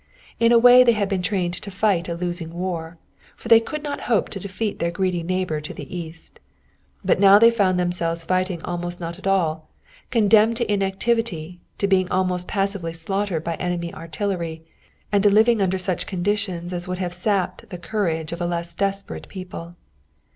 In a way they had been trained to fight a losing war, for they could not hope to defeat their greedy neighbor on the east. But now they found themselves fighting almost not at all, condemned to inactivity, to being almost passively slaughtered by enemy artillery, and to living under such conditions as would have sapped the courage of a less desperate people.